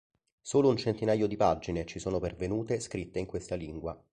Solo un centinaio di pagine ci sono pervenute scritte in questa lingua.